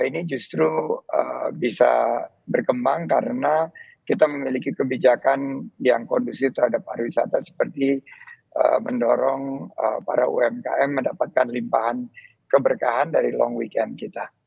ini justru bisa berkembang karena kita memiliki kebijakan yang kondusif terhadap pariwisata seperti mendorong para umkm mendapatkan limpahan keberkahan dari long weekend kita